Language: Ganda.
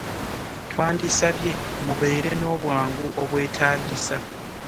Twandisabye mubeere n'obwangu obwetaagisa.